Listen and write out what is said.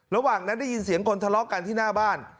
ระหว่างนั้นได้ยินเสียงคนทะเลาะกันที่หน้าบ้าน